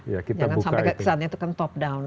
jangan sampai kesannya itu top down